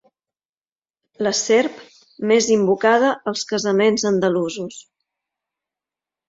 La serp més invocada als casaments andalusos.